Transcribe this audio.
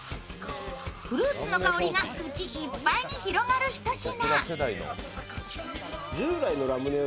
フルーツの香りが口いっぱいに広がるひと品。